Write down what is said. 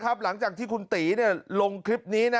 กะลาวบอกว่าก่อนเกิดเหตุ